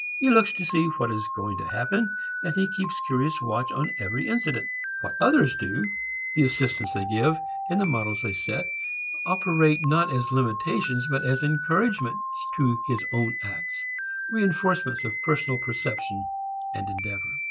He looks to see what is going to happen and he keeps curious watch on every incident. What others do, the assistance they give, the models they set, operate not as limitations but as encouragements to his own acts, reinforcements of personal perception and endeavor.